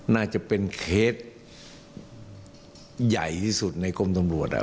น่าจะเป็นเคสใหญ่ที่สุดในกรมตำรวจ